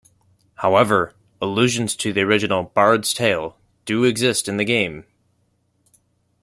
However, allusions to the original "Bard's Tale" do exist in the game.